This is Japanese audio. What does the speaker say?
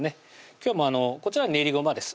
今日はこちら練りごまです